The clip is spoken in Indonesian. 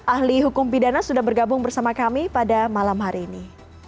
ahli hukum pidana sudah bergabung bersama kami pada malam hari ini